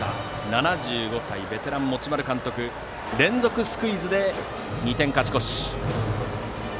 ７５歳、ベテランの持丸監督連続スクイズで勝ち越し。